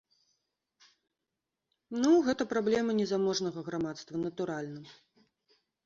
Ну, гэта праблема не заможнага грамадства, натуральна.